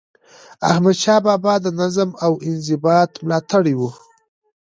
احمدشاه بابا د نظم او انضباط ملاتړی و.